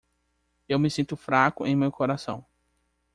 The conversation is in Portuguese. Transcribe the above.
Eu me sinto fraco em meu coração.